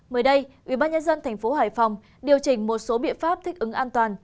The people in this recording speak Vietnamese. mới đây ủy ban nhân dân tp hải phòng điều chỉnh một số biện pháp thích ứng an toàn